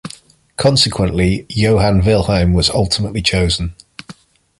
Consequently, Johann Wilhelm was ultimately chosen.